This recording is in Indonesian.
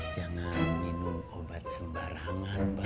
jangan minum obat sembarangan